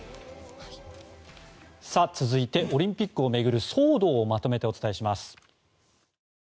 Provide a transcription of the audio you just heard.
続いてオリンピックを巡る騒動をまとめてお伝えします。